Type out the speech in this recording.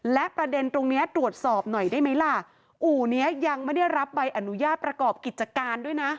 และประเด็นตรงเนี้ยตรวจสอบหน่อยได้ไหมล่ะอู่เนี้ยยังไม่ได้รับใบอนุญาตประกอบกิจการด้วยนะ